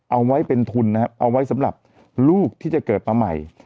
เอาไว้เป็นทุนนะครับเอาไว้สำหรับลูกที่จะเกิดมาใหม่